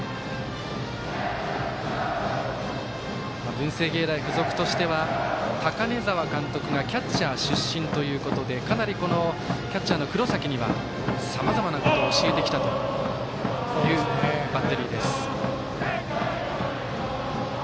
文星芸大付属としては高根澤監督がキャッチャー出身ということでかなりキャッチャーの黒崎にはさまざまなことを教えてきたというバッテリーです。